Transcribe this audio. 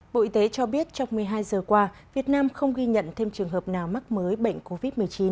bộ y tế cho biết trong một mươi hai giờ qua việt nam không ghi nhận thêm trường hợp nào mắc mới bệnh covid một mươi chín